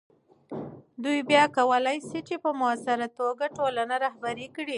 دوی بیا کولی سي په مؤثره توګه ټولنه رهبري کړي.